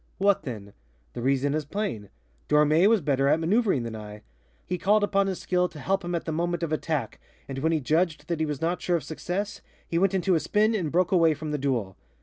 What then? The reason is plain: Dormé was better at maneuvering than I. He called upon his skill to help him at the moment of attack, and when he judged that he was not sure of success, he went into a spin and broke away from the duel.